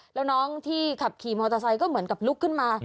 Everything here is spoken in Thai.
แล้วน้องที่ขับขี่มอเตอร์ไซค์ก็เหมือนกับลุกขึ้นมา